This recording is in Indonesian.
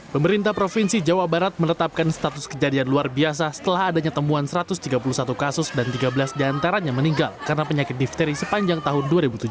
pemerintah provinsi jawa barat menetapkan status kejadian luar biasa setelah adanya temuan satu ratus tiga puluh satu kasus dan tiga belas diantaranya meninggal karena penyakit difteri sepanjang tahun dua ribu tujuh belas